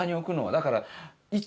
だから。